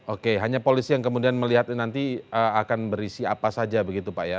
oke hanya polisi yang kemudian melihat ini nanti akan berisi apa saja begitu pak ya